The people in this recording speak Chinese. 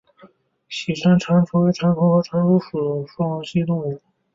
喜山蟾蜍为蟾蜍科蟾蜍属的两栖动物。